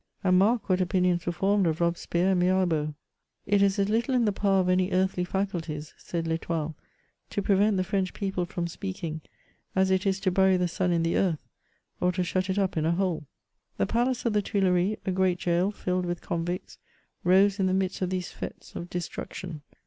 And mark what opinions were formed of Robespierre and Mirabeau !*^ It is as little in the power of any earthly fa culties," said TEstoile, *' to prevent the French people from speak ing, as it is to bury the sun in the earth, or to shut it up in a hole." The palace of the Tuileries, a great gaol filled with convicts, rose in the midst of these f^tes of destruction.